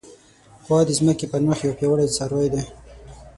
غوا د ځمکې پر مخ یو پیاوړی څاروی دی.